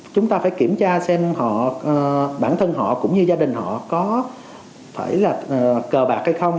chúng ta phải kiểm tra xem bản thân họ cũng như gia đình họ có cờ bạc hay không